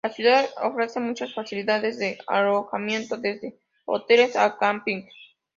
La ciudad ofrece muchas facilidades de alojamiento, desde hoteles a campings.